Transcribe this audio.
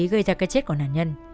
gây ra cái chết của nạn nhân